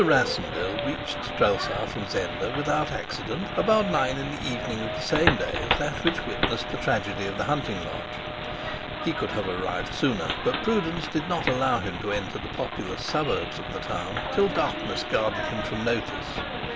RASSENDYLL reached Strelsau from Zenda without accident about nine o'clock in the evening of the same day as that which witnessed the tragedy of the hunting lodge. He could have arrived sooner, but prudence did not allow him to enter the populous suburbs of the town till the darkness guarded him from notice.